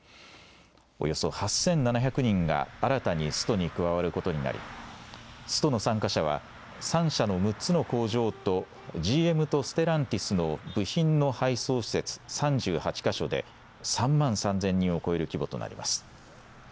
およそ８７００人が新たにストに加わることになりストの参加者は３社の６つの工場とＧＭとステランティスの部品の配送施設３８か所で３万３０００人を超える規模となります。